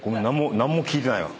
何も聞いてないわ。